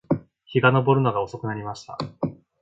日が登るのが遅くなりました